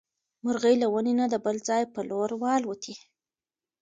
مرغۍ له ونې نه د بل ځای په لور والوتې.